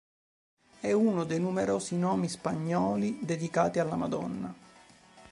È uno dei numerosi nomi spagnoli dedicati alla Madonna.